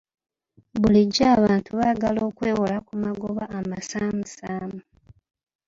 Bulijjo abantu baagala okwewola ku magoba amasaamusaamu.